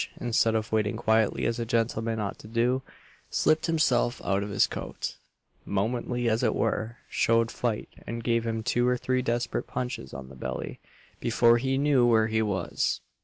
instead of waiting quietly, as a gentleman ought to do, slipped himself out of his coat, "momently as it were," showed fight, and gave him two or three desperate "punches on the belly" before he knew where he was.